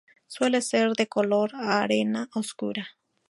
Suele ser de color arena oscura.